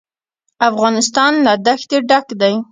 افغانستان له دښتې ډک دی.